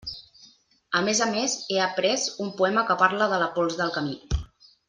A més a més, he aprés un poema que parla de la pols del camí.